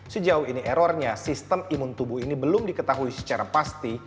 sejauh ini errornya sistem imun tubuh ini belum diketahui secara pasti